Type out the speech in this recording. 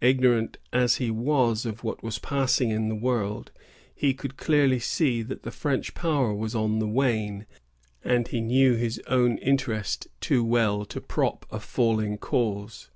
Ignorant as he was of what was passing in the world, he could clearly see that the French power was on the wane, and he knew his own interest too well to prop a falling cause.